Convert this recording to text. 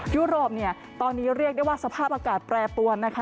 ยุโรปเนี่ยตอนนี้เรียกได้ว่าสภาพอากาศแปรปวนนะคะ